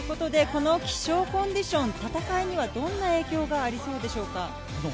この気象コンディション、戦いにはどんな影響がありそうでしょうか。